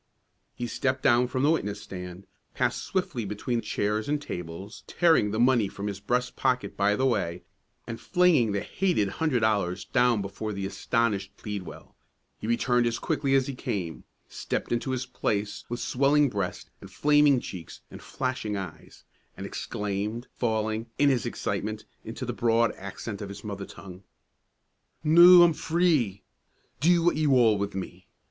He stepped down from the witness stand, passed swiftly between chairs and tables, tearing the money from his breast pocket by the way, and flinging the hated hundred dollars down before the astonished Pleadwell, he returned as quickly as he came, stepped into his place with swelling breast and flaming cheeks and flashing eyes, and exclaimed, falling, in his excitement, into the broad accent of his mother tongue, "Noo I'm free! Do what ye wull wi' me!